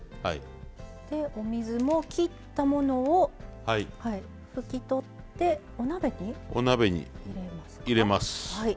お水も切ったものを拭き取ってお鍋に入れますか？